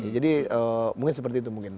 jadi mungkin seperti itu mungkin